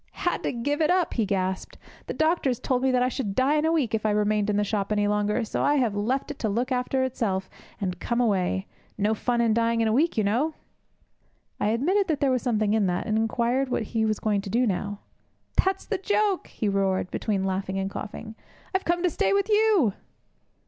'Had to give it up!' he gasped. 'The doctors told me that I should die in a week if I remained in the shop any longer. So I've left it to look after itself, and come away. No fun in dying in a week, you know!' I admitted that there was something in that, and inquired what he was going to do now. 'That's the joke!' he roared, between laughter and coughing. 'I've come to stay with you.'